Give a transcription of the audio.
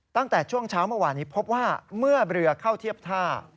ตั้งแต่ช่วงเช้าเมื่อวานนี้พบว่าเมื่อเรือเข้าเทียบท่า